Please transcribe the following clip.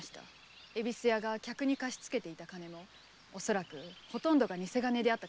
恵比寿屋が客に貸し付けていた金もおそらくほとんどが偽金であった可能性もあります。